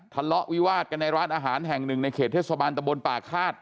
ทะเลาะวิวาดกันในร้านอาหารแห่งหนึ่งในเขตเทศบาลตะบนป่าฆาต